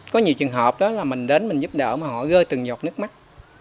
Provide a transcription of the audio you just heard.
có nhiều trường hợp đó là mình đến mình giúp đỡ mà họ gơi từng giọt nước mắt